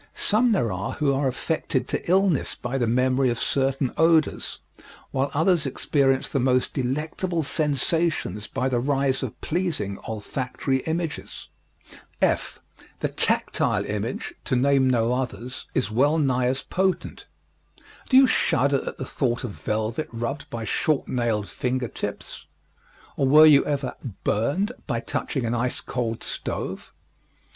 Some there are who are affected to illness by the memory of certain odors, while others experience the most delectable sensations by the rise of pleasing olfactory images. (f) The tactile image, to name no others, is well nigh as potent. Do you shudder at the thought of velvet rubbed by short nailed finger tips? Or were you ever "burned" by touching an ice cold stove?